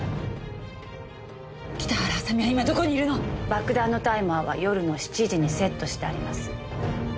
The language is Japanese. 爆弾のタイマーは夜の７時にセットしてあります。